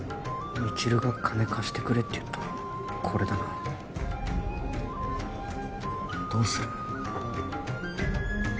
未知留が「金貸してくれ」って言ったのこれだなどうする？